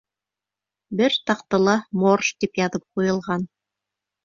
Бер таҡтала «Морж» тип яҙып ҡуйылған.